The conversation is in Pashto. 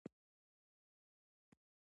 فرانسویان د زبېښونکو بنسټونو له لومې وژغورل شول.